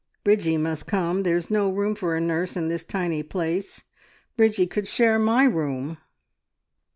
"Bridgie must come. There's no room for a nurse in this tiny place. Bridgie could share my room."